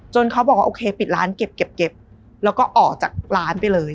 เขาบอกว่าโอเคปิดร้านเก็บแล้วก็ออกจากร้านไปเลย